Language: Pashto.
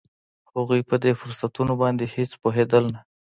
هغوی په دې فرصتونو باندې هېڅ پوهېدل نه